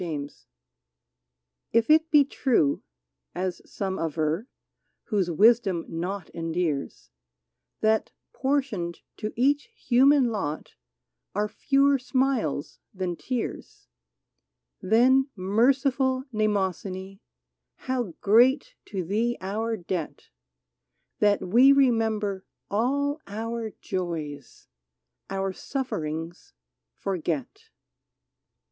144 MEMORY Tf it be true, as some aver, Whose wisdom naught endears, That portioned to each human lot Are fewer smiles than tears, — Then, merciful Mnemosyne, How great to thee our debt. That we remember all our joys, Our sufferings forget